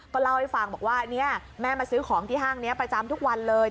เล่าให้ฟังบอกว่าเนี่ยแม่มาซื้อของที่ห้างนี้ประจำทุกวันเลย